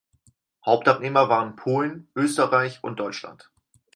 Hauptabnehmer waren Polen, Österreich und Deutschland.